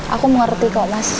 aku mengerti kok mas